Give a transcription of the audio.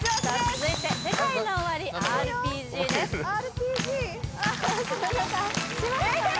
続いてＳＥＫＡＩＮＯＯＷＡＲＩ「ＲＰＧ」ですお前いける？